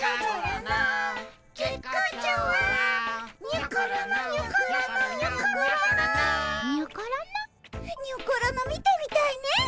にょころの見てみたいね。